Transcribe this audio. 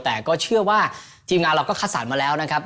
แต่ก็เชื่อว่าทีมงานเราก็คัดสรรมาแล้วนะครับ